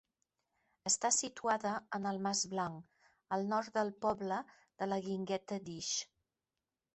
Està situada en el Mas Blanc, al nord del poble de la Guingueta d'Ix.